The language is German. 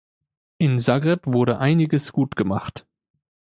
In Zagreb wurde einiges gut gemacht.